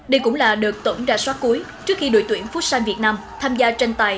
đây cũng là đợt tổng ra soát cuối trước khi đội tuyển phút săn việt nam tham gia tranh tài